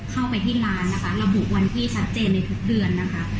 เข้าไปที่ร้านนะคะระบุวันที่ชัดเจนในทุกเดือนนะคะ